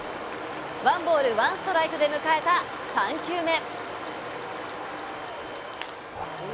ワンボールワンストライクで迎えた３球目。